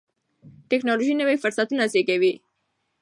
ټیکنالوژي نوي فرصتونه زیږوي.